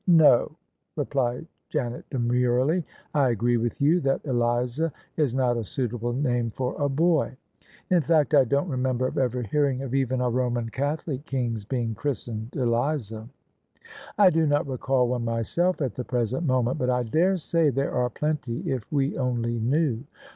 "No," replied Janet demurely; "I agree with you that Eliza is not a suitable name for a boy. In fact I don't remember of ever hearing of even a Roman Catholic king's being christened Eliza." " I do not recall one myself at the present moment: but I daresay there are plenty if we only knew.